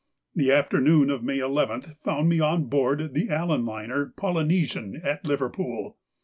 The afternoon of May 11 found me on board the Allan liner 'Polynesian' at Liverpool.